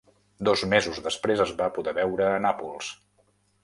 Dos mesos després es va poder veure a Nàpols.